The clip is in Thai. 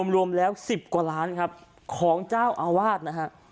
รวมแล้ว๑๐กว่าล้านครับของเจ้าอาวาสนะฮะ